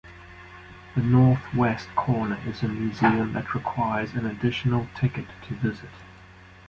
The northwest corner is a museum that requires an additional ticket to visit.